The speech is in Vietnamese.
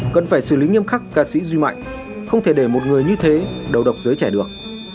cần phải xử lý nghiêm khắc ca sĩ duy mạnh không thể để một người như thế đầu độc giới trẻ được